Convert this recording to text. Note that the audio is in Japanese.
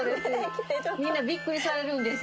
みんなビックリされるんです。